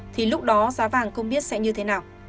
thì lúc đó giá vàng không biết sẽ như thế nào